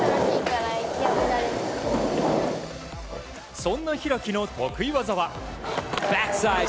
そんな開の得意技は。